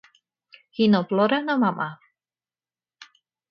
Qui no plora no mama.